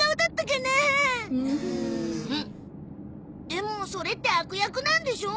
でもそれって悪役なんでしょ？